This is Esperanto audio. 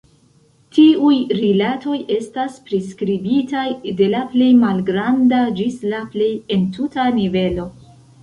Tiuj rilatoj estas priskribitaj de la plej malgranda ĝis la plej entuta nivelo.